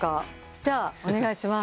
じゃあお願いします。